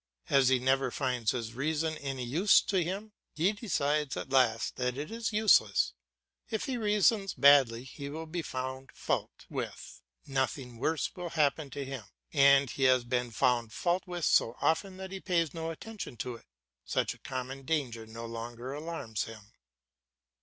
As he never finds his reason any use to him, he decides at last that it is useless. If he reasons badly he will be found fault with; nothing worse will happen to him; and he has been found fault with so often that he pays no attention to it, such a common danger no longer alarms him.